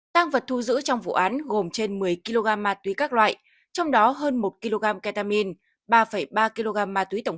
tăng vật thu giữ trong vụ án gồm trên một mươi kg ma túy các loại trong đó hơn một kg ketamine ba ba kg ma túy tổng hợp